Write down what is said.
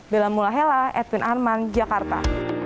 belam mulla hela edwin arman jakarta